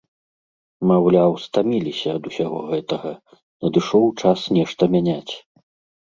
Маўляў, стаміліся ад усяго гэтага, надышоў час нешта мяняць.